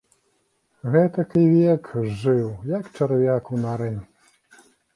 Гэтак і век зжыў, як чарвяк у нары.